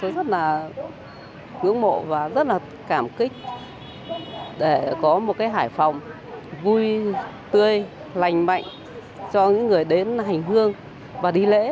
tôi rất là ngưỡng mộ và rất là cảm kích để có một cái hải phòng vui tươi lành mạnh cho những người đến hành hương và đi lễ